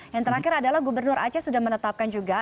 yang terakhir adalah gubernur aceh sudah menetapkan juga